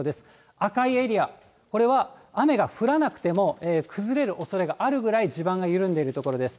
赤いエリア、これは雨が降らなくても崩れるおそれがあるぐらい地盤が緩んでいる所です。